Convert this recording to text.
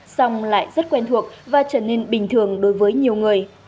xong lại rất quen thuộc và trở nên bình thường đối với nhiều người